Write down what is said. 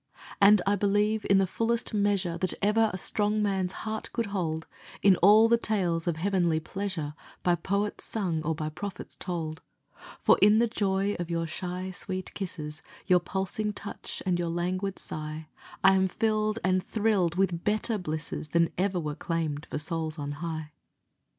And I believe, in the fullest measure That ever a strong man's heart could hold, In all the tales of heavenly pleasure By poets sung or by prophets told; For in the joy of your shy, sweet kisses, Your pulsing touch and your languid sigh I am filled and thrilled with better blisses Than ever were claimed for souls on high.